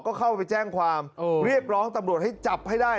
ก็เข้าไปแจ้งความเรียกร้องตำรวจให้จับให้ได้